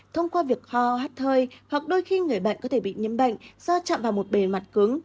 thông qua việc ho hát hơi hoặc đôi khi người bệnh có thể bị nhiễm bệnh do chạm vào một bề mặt cứng